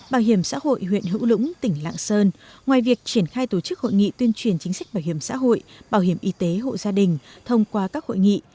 bảo hiểm xã hội huyện hữu lũng tỉnh lạng sơn ngoài việc triển khai tổ chức hội nghị tuyên truyền chính sách bảo hiểm xã hội bảo hiểm y tế hộ gia đình thông qua các hội nghị